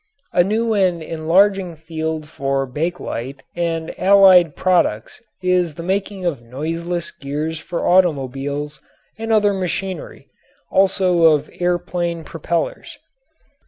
A new and enlarging field for bakelite and allied products is the making of noiseless gears for automobiles and other machinery, also of air plane propellers.